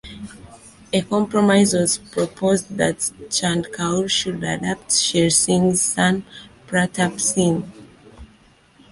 A compromise was proposed that Chand Kaur should adopt Sher Singh's son Pratap Singh.